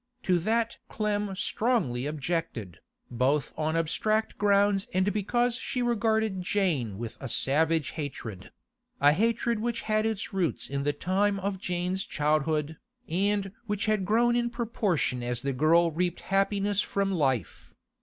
To that Clem strongly objected, both on abstract grounds and because she regarded Jane with a savage hatred—a hatred which had its roots in the time of Jane's childhood, and which had grown in proportion as the girl reaped happiness from life.